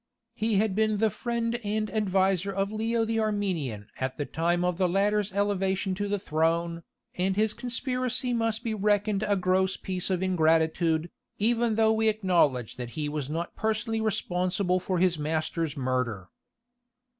He had been the friend and adviser of Leo the Armenian at the time of the latter's elevation to the throne, and his conspiracy must be reckoned a gross piece of ingratitude, even though we acknowledge that he was not personally responsible for his master's murder.